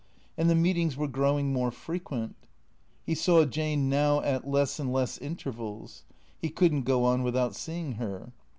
And the meetings were growing more frequent. He saw Jane now at less and less in tervals. He could n't go on without seeing her.